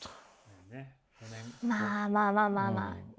まあまあまあまあね。